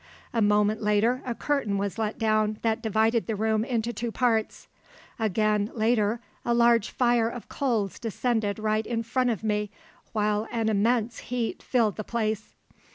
A moment later a curtain was let down that divided the room into two parts. Again, later, a large fire of coals descended right in front of me, while an immense heat filled the place.